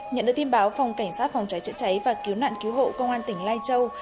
nhận được tin báo phòng cảnh sát phòng cháy chữa cháy và cứu nạn cứu hộ công an tỉnh lai châu